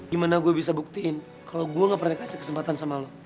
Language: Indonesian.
gimana gue bisa buktiin kalau gue gak pernah kasih kesempatan sama lo